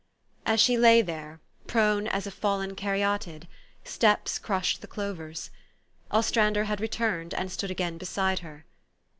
As she lay there, prone as a fallen Caryatide, steps crushed the clovers ; Ostrander had returned, and stood again beside her.